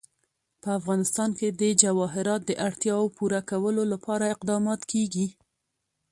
په افغانستان کې د جواهرات د اړتیاوو پوره کولو لپاره اقدامات کېږي.